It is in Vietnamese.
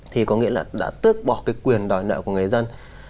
thì có nghĩa là đã tước bỏ cái quyền đòi nợ của người dân